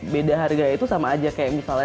beda harga itu sama aja kayak misalnya